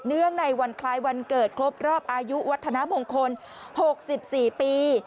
ในวันคล้ายวันเกิดครบรอบอายุวัฒนามงคล๖๔ปี